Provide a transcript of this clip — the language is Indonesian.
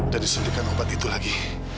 dan disuntikan obat itu lagi